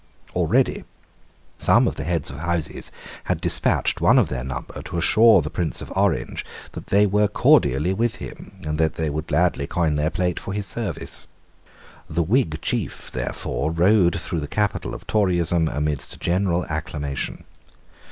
Already some of the Heads of Houses had despatched one of their number to assure the Prince of Orange that they were cordially with him, and that they would gladly coin their plate for his service. The Whig chief, therefore, rode through the capital of Toryism amidst general acclamation.